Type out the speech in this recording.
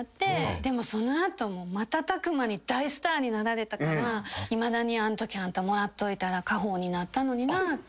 でもその後瞬く間に大スターになられたからいまだにあんときあんたもらっといたら家宝になったのになって。